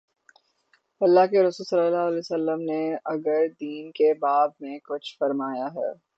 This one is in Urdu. اﷲ کے رسولﷺ نے اگر دین کے باب میں کچھ فرمایا ہے۔